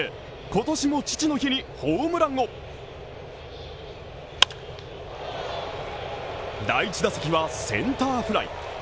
今年も父の日にホームランを第１打席はセンターフライ。